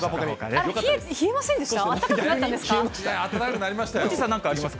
冷えませんでした？